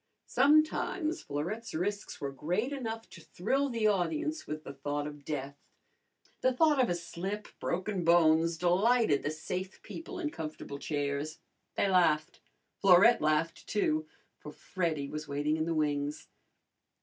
Sometimes Florette's risks were great enough to thrill the audience with the thought of death. The thought of a slip, broken bones, delighted the safe people in comfortable chairs. They laughed. Florette laughed, too, for Freddy was waiting in the wings.